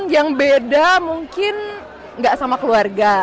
yang beda mungkin nggak sama keluarga